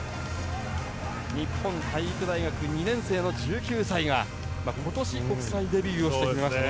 日本体育大学２年生の１９歳が今年、国際デビューをしてきましたね。